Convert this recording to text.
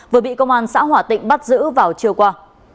vừa bị công an xã hòa tịnh bắt giữ vào chiều qua